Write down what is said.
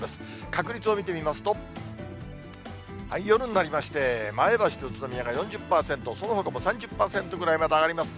確率を見てみますと、夜になりまして、前橋と宇都宮が４０％、そのほかも３０％ぐらいまで上がります。